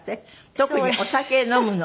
特にお酒飲むの。